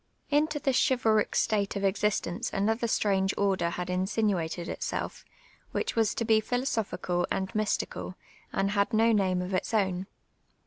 Into this chivalric state of existence another strange order hiul insinuated itself, which was to be philosophical and mys tical, and had no name of its o>\'n.